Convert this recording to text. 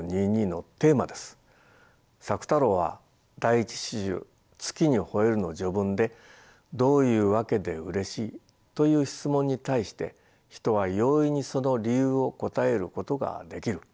朔太郎は第一詩集「月に吠える」の序文で「『どういうわけでうれしい？』という質問に対して人は容易にその理由を答えることができる。